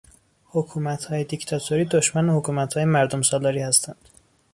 حکومتهای دیکتاتوری دشمن حکومتهای مردم سالاری هستند.